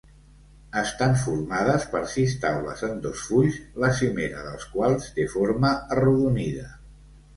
Estan formades per sis taules en dos fulls, la cimera dels quals té forma arrodonida.